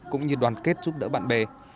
cũng như đoàn kết giúp đỡ bạn bè